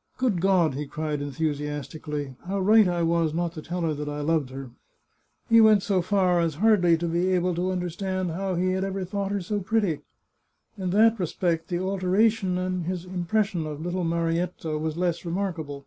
" Grood God !" he cried enthusiastically, " how right I was not to tell her that I loved her !" He went so far as hardly to be able to understand how he had ever thought her so pretty. In that respect the alteration in his im pression of little Marietta was less remarkable.